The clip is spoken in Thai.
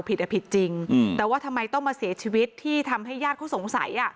อ่ะผิดจริงแต่ว่าทำไมต้องมาเสียชีวิตที่ทำให้ญาติเขาสงสัยอ่ะ